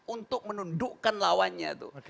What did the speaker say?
untuk menundukkan lawannya tuh